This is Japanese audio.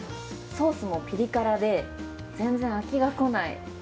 ソースもピリ辛で全然飽きがこない。